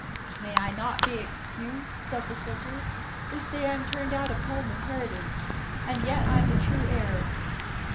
"May I not be excused?" said the soldier. "This day I am turned out, of home and heritage, and yet I am the true heir."